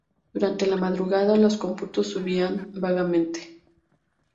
Durante la madrugada, los cómputos subían vagamente.